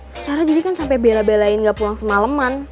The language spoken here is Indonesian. secara diri kan sampe bela belain gak pulang semaleman